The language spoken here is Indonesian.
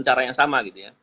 cara yang sama